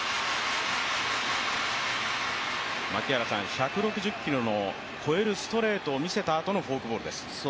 １６０キロを超えるストレートを見せたあとのフォークボールです。